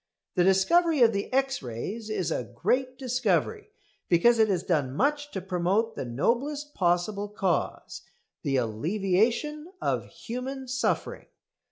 The discovery of the X rays is a great discovery, because it has done much to promote the noblest possible cause, the alleviation of human suffering.